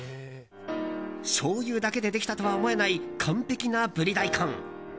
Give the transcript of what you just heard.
しょうゆだけでできたとは思えない、完璧なブリ大根。